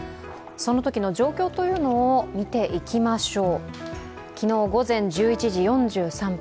そのときの状況を見ていきましょう。